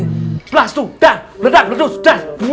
ampun mas wah gak lagi lagi